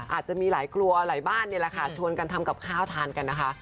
อาจจะมีหลายครัวหลายบ้านนี่แหละค่ะชวนกันทำกับข้าวทานกันนะคะ